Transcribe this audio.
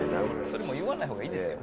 それ言わないほうがいいですよ。